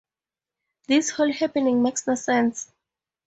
This whole happening makes no sense.